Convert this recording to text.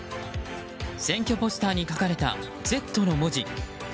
選挙ポスターに書かれた「Ｚ」の文字。